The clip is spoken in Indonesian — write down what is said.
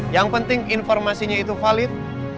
yang penting informasinya itu valid